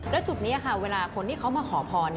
แล้วจุดนี้ค่ะเวลาคนที่เขามาขอพร